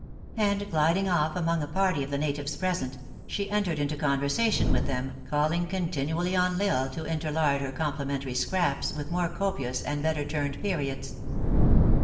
And gliding off among a party of the natives present, she entered into conversation with them, calling continually on L Isle to interlard her complimentary scraps with more copious and bet ter turned periods.